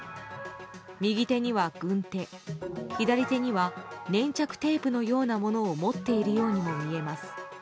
右手には軍手、左手には粘着テープのようなものを持っているようにも見えます。